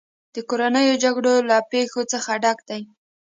د کورنیو جګړو له پېښو څخه ډک دی.